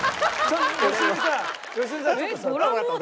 ちょっと。